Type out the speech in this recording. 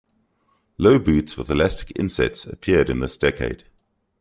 Low boots with elastic insets appeared in this decade.